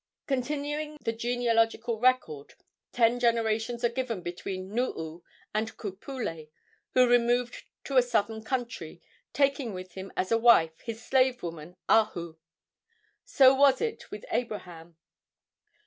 Continuing the genealogical record, ten generations are given between Nuu and Ku Pule, who "removed to a southern country," taking with him as a wife his slave woman Ahu. So was it with Abraham.